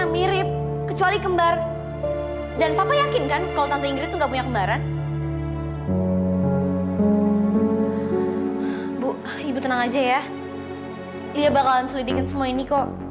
maaf sekarang ibu harus ikut kami karena sidang akan segera dimulai